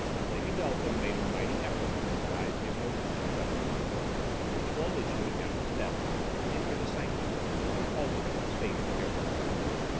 Lady Beltham made a mighty effort to disguise the emotion she felt. Slowly she went down the steps and entered the sanctuary, where she halted in a state of terror.